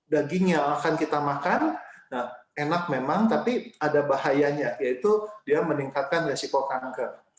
daging yang akan kita makan enak memang tapi ada bahayanya yaitu dia meningkatkan resiko kanker